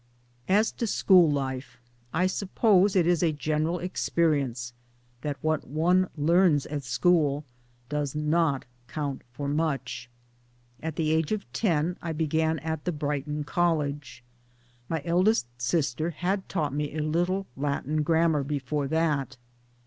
As to school life, I suppose it is a general ex perience that what one learns at school does not count for much. At the age of ten I began at the Brighton College. My eldest sister had taught me a little Latin grammar before that.